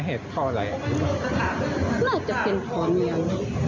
น่าจะเป็นข่าวเนี่ยม